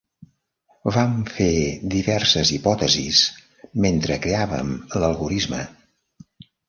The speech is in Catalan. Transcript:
Vam fer diverses hipòtesis mentre creàvem l'algorisme.